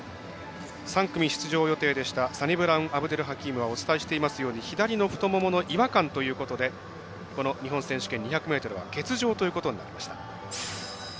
３組出場予定でしたサニブラウンアブデルハキームはお伝えしているように左の太ももの違和感ということでこの日本選手権２００ｍは欠場ということになりました。